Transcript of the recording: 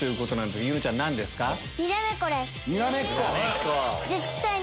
にらめっこ！